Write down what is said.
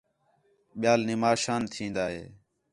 ٻِیال نماشاں تھین٘دا ہے